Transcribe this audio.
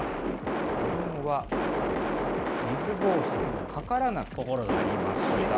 子どもは水ぼうそうにかからなくなりました。